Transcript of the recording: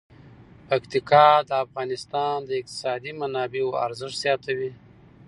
پکتیکا د افغانستان د اقتصادي منابعو ارزښت زیاتوي.